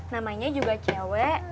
namanya juga cewek